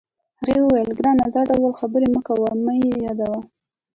هغې وویل: ګرانه، دا ډول خبرې مه کوه، مه یې یادوه.